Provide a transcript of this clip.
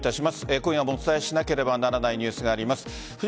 今夜もお伝えしなければならないニュースがあります。